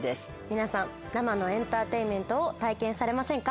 皆さん生のエンターテインメントを体験されませんか？